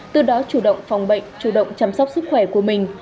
từ đó chủ động phòng bệnh chủ động chăm sóc sức khỏe của mình